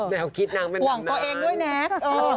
ห่วงตัวเองด้วยแน็ค